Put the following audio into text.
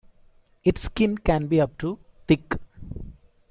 Its skin can be up to thick.